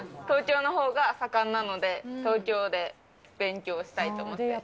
東京のほうが盛んなので、東京で勉強したいと思って。